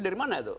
dari mana tuh